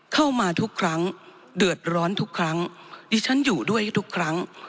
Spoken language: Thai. เข้ามาทุกครั้งเดือดร้อนทุกครั้งดิฉันอยู่ด้วยทุกครั้ง